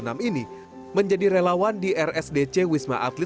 mengenakan alat pelindung diri lengkap telah menjadi kebiasaannya setiap akan melakukan tugasnya